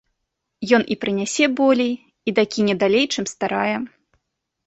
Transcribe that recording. Ён і прынясе болей, і дакіне далей, чым старая.